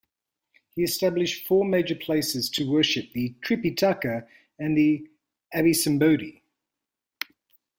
He established four major places to worship the Tripitaka and the abhisambodhi.